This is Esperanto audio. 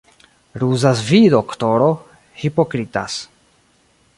Ruzas vi, doktoro, hipokritas.